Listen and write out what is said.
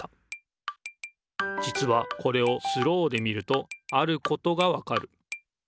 じつはこれをスローで見るとあることがわかる。